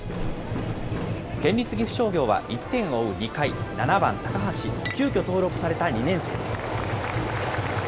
県立岐阜商業は、１点を追う２回、７番高橋は、急きょ登録された２年生です。